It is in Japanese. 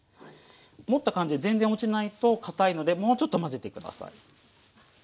持った感じで全然落ちないとかたいのでもうちょっと混ぜてください。